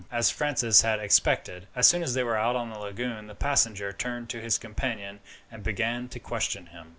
As Francis had expected, as soon as they were out on the lagoon the passenger turned to his companion and began to question him.